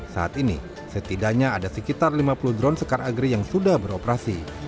saat ini setidaknya ada sekitar lima puluh drone sekar agri yang sudah beroperasi